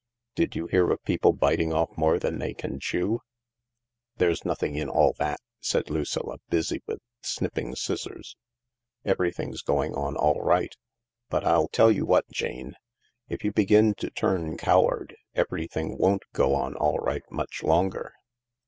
Did you hear of people biting off more than they can chew ?" "There's nothing in all that," said Lucilla, busy with snipping scissors. " Everything's going on all right. But I'll tell you what, Jane. If you begin to turn coward, every thing won't go on all right much longer."